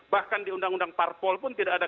bahkan di undang undang parpol pun tidak ada